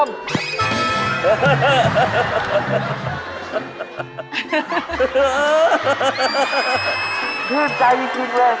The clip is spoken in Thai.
มีใจกินเลย